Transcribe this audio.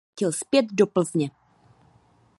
Po půl roce se vrátil zpět do Plzně.